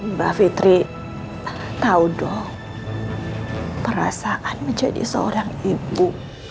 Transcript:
mbak fitri tahu dong perasaan menjadi seorang ibu